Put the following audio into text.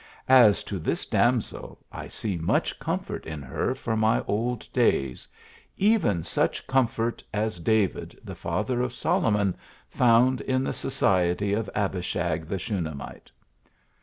As to this damsel, I see much comfort in her for my old days, even such comfort as David, the 1 father of Sol omon, found in the society of Abishag the Shuna mite."